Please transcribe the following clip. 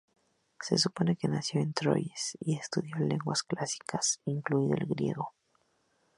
Se supone que nació en Troyes y estudió lenguas clásicas, incluido el griego.